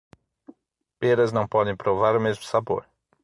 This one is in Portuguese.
Peras não podem provar o mesmo sabor.